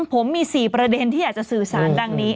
ผมมี๔ประเด็นที่อยากจะสื่อสารดังนี้